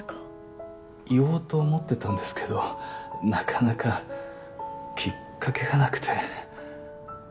言おうと思ってたんですけどなかなかきっかけがなくて。